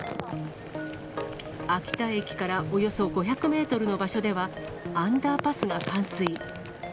秋田駅からおよそ５００メートルの場所では、アンダーパスが冠水。